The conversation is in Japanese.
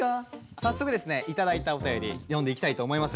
早速ですね頂いたお便り読んでいきたいと思います。